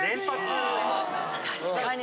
確かに。